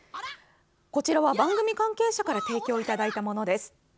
こちらは番組関係者から提供いただいたものです。